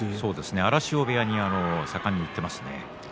荒汐部屋によく行っていますね。